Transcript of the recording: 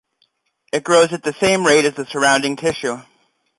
It grows at the same rate as the surrounding tissue.